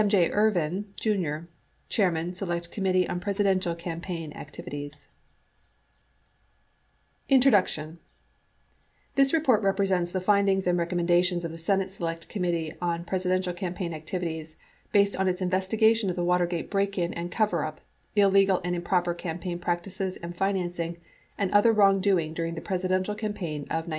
Jr 1175 Resolutions pertaining to Select Committee 1231 INTRODUCTION This report presents the findings and recommendations of the Senate Select Committee on Presidential Campaign Activities based on its investigation of the Watergate break in and coverup, illegal and improper campaign practices and financing, and other wrongdoing during the Presidential campaign of 1972.